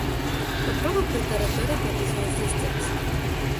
Попробуй протараторить написанный здесь текст.